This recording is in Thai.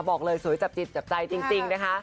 บอกเลยสวยจับจิตจับใจจริงนะคะ